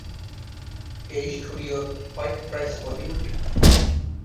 এই স্টুডিওর "what price Hollywood?"